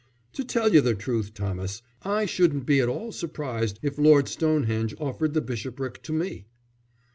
"To tell you the truth, Thomas, I shouldn't be at all surprised if Lord Stonehenge offered the bishopric to me."